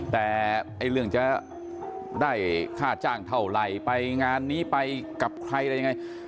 แต่เรื่องจะได้ค่าจ้างเท่าไหร่ไปงานนี้ไปกับใครอะไรยังไง